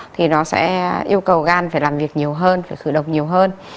thì nó sẽ yêu cầu gan phải làm việc nhiều hơn phải khởi động nhiều hơn